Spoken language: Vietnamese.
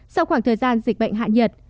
sau khoảng thời gian dịch bệnh hạn nhiệt